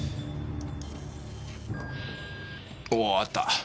おおあった。